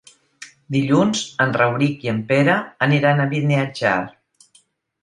Dilluns en Rauric i en Pere aniran a Beniatjar.